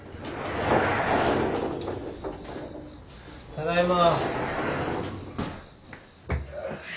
ただいま。